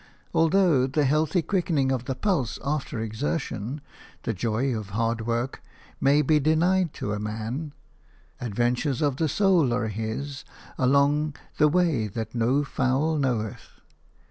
Although the healthy quickening of the pulse after exertion, the joy of hard work, may be denied to a man, adventures of the soul are his, along "the way that no fowl knoweth."